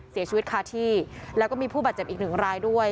เสียชีวิตคาที่แล้วก็มีผู้บาดเจ็บอีกหนึ่งรายด้วย